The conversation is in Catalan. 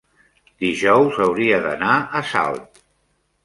dijous hauria d'anar a Salt.